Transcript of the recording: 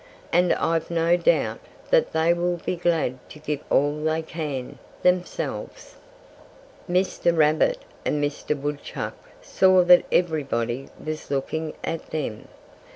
"And I've no doubt that they will be glad to give all they can, themselves." Mr. Rabbit and Mr. Woodchuck saw that everybody was looking at them.